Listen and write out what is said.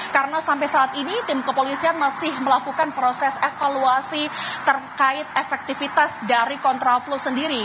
karena sampai saat ini tim kepolisian masih melakukan proses evaluasi terkait efektivitas dari kontraflux sendiri